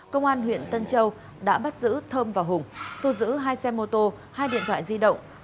công an huyện tân châu đã bắt giữ thơm và hùng thu giữ hai xe mô tô hai điện thoại di động